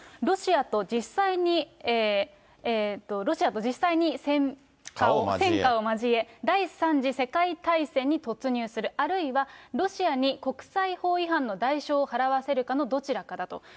ロシアと実際に、ロシアと実際に戦火を交え、第３次世界大戦に突入する、あるいはロシアに国際法違反の代償を払わせるかのどちらかだと。